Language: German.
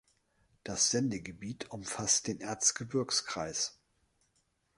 Das Sendegebiet umfasst den Erzgebirgskreis.